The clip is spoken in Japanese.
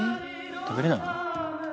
食べられないの？